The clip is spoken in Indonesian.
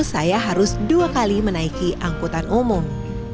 saya harus dua kali menaiki angkutan umum